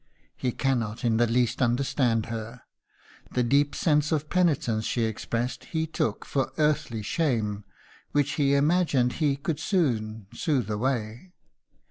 He cannot in the least understand her. "The deep sense of penitence she expressed he took for earthly shame, which he imagined he could soon soothe away."